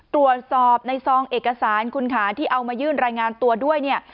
ตรวจสอบในทรองเอกสารคุณขาที่เอามายื่นรายงานตัวด้วย